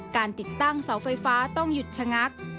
การติดตั้งเสาไฟฟ้าต้องหยุดชะงัก